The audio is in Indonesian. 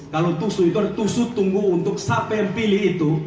kalau tusuk itu harus tusuk tunggu untuk siapa yang pilih itu